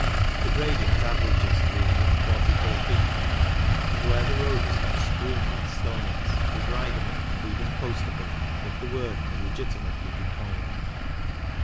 The gradient averages 344 feet per mile, and where the road is not strewn with stones, is ridable, and even '* coastable," if the word may legitimately be coined.